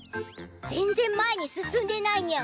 全然前に進んでないニャン。